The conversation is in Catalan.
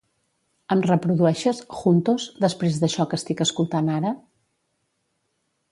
Em reprodueixes "Juntos" després d'això que estic escoltant ara?